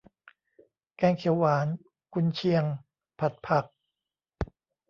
แกงเขียวหวาน กุนเชียง ผัดผัก